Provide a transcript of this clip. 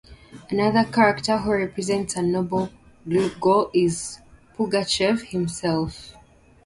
Another character who represents a noble goal is Pugachev himself.